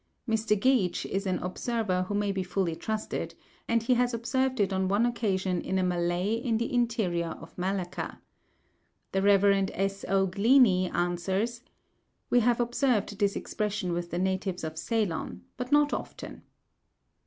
Mr. Geach is an observer who may be fully trusted, and he has observed it on one occasion in a Malay in the interior of Malacca. The Rev. S. O. Glenie answers, "We have observed this expression with the natives of Ceylon, but not often."